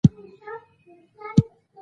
یا هم غنم او تېل به وو چې راوړل کېدل.